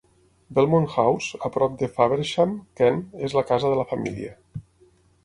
Belmont House, a prop de Faversham (Kent), és la casa de la família.